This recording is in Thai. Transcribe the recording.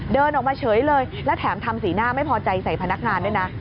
เดินออกมาเฉยเลยและแถมทำสีหน้าไม่พอใจใส่พนักงานด้วยนะ